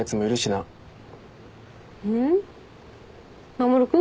守君？